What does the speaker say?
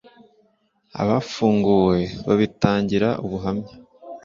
abafunguwe babitangira ubuhamya